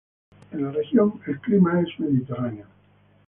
En la región el clima es mediterráneo.